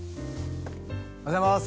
おはようございます